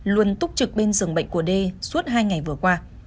luôn túc trực bên sường bệnh của đê suốt hai ngày vừa qua